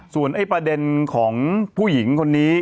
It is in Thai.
ส่วนประเด็นของผู้หญิงคนนี้